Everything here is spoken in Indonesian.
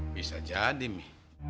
bisa jadi mi